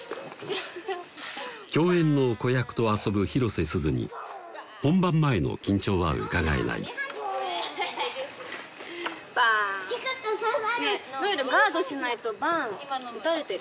共演の子役と遊ぶ広瀬すずに本番前の緊張はうかがえないバン！ねぇ